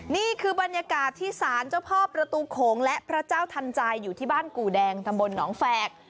นี่คือบรรยากาศที่ศาลเจ้าพ่อประตูโขงและพระเจ้าทันใจอยู่ที่บ้านกู่แดงตำบลหนองแฝก